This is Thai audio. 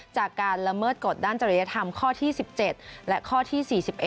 จากการละเมิดกฎด้านจริยธรรมข้อที่๑๗และข้อที่๔๑